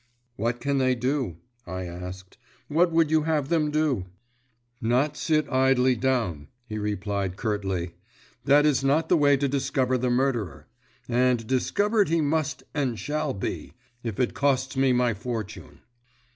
"What can they do?" I asked. "What would you have them do?" "Not sit idly down," he replied curtly. "That is not the way to discover the murderer; and discovered he must and shall be, if it costs me my fortune."